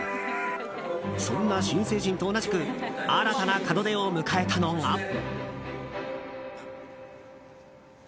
そんな新成人と同じく新たな門出を迎えたのが。